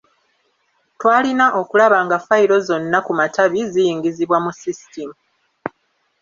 Twalina okulaba nga fayiro zonna ku matabi ziyingizibwa mu System.